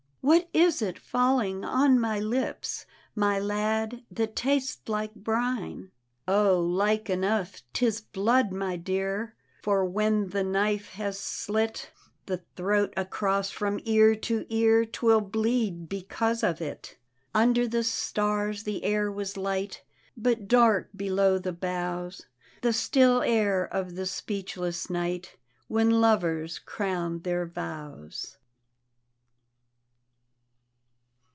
What is it falling on my lips. My lad, that tastes like brine?" " Oh like enough 'tis blood, my dear, For when the knife has slit The throat across from ear to ear Twill bleed because of it." Under the stars the air was light But dark below the boughs, The still air of the ^>cechless night. When lovers crown their vows.